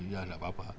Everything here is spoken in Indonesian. ya tidak apa apa